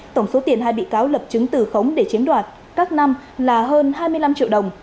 tổng số tiền hai bị cáo lập chứng từ khống để chiếm đoạt các năm là hơn hai mươi năm triệu đồng